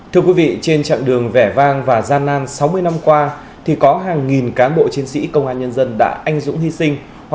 thưa quý vị trên chặng đường vẻ vang và gian nan sáu mươi năm qua thì có hàng nghìn cán bộ chiến sĩ công an nhân dân đã anh dũng hy sinh